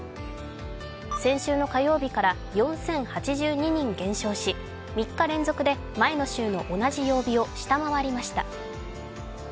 先週の火曜日から４０８２人減少し３日連続で前の週の同じ曜日を下回りました。